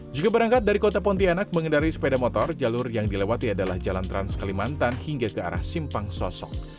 jika berangkat dari kota pontianak mengendari sepeda motor jalur yang dilewati adalah jalan trans kalimantan hingga ke arah simpang sosok